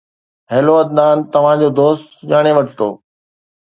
Hello Adnan, توهان جو دوست، سڃاڻي ورتو؟